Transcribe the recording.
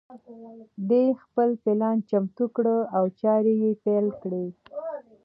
دای خپل پلان چمتو کړ او چارې پیل کړې.